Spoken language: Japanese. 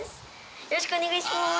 よろしくお願いします！